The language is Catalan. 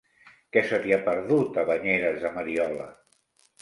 Què se t'hi ha perdut, a Banyeres de Mariola?